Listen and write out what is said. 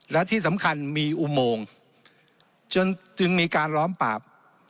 และที่สำคัญมีอุโมงจนจึงมีการล้อมปราบ